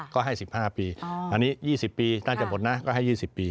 ก็ให้๑๕ปีอันนี้๒๐ปีน่าจะหมดนะก็ให้๒๐ปี